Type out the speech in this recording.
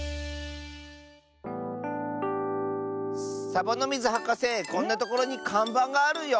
サボノミズはかせこんなところにかんばんがあるよ。